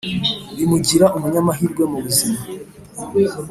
bimugira umu nyamahirwe mu buzima